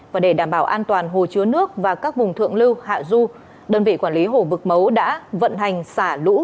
và để đảm bảo an toàn hồ chứa nước và các vùng thượng lưu hạ du đơn vị quản lý hồ vực mấu đã vận hành xả lũ